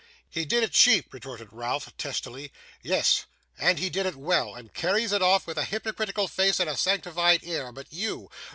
'He did it cheap!' retorted Ralph, testily; 'yes, and he did it well, and carries it off with a hypocritical face and a sanctified air, but you!